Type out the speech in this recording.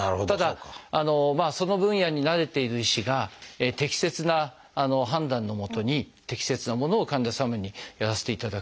ただその分野に慣れている医師が適切な判断のもとに適切なものを患者様にやらせていただくと